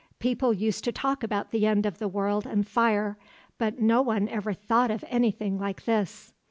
People used to talk about the end of the world and fire, but no one ever thought of anything like this.